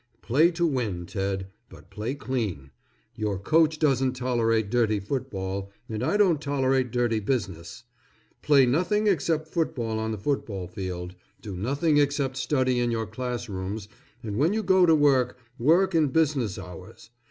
Play to win, Ted, but play clean. Your coach doesn't tolerate dirty football, and I don't tolerate dirty business. Play nothing except football on the football field, do nothing except study in your class rooms, and when you go to work, work in business hours.